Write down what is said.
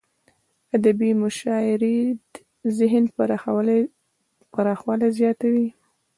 ادبي مشاعريد ذهن پراخوالی زیاتوي.